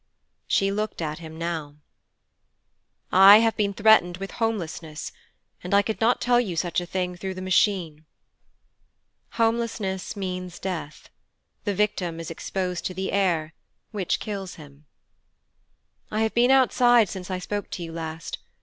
She looked at him now. 'I have been threatened with Homelessness, and I could not tell you such a thing through the Machine.' Homelessness means death. The victim is exposed to the air, which kills him. 'I have been outside since I spoke to you last.